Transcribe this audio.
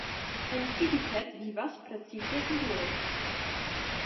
En Siddipet vivas precipe hinduoj.